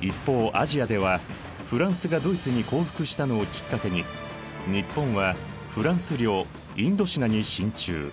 一方アジアではフランスがドイツに降伏したのをきっかけに日本はフランス領インドシナに進駐。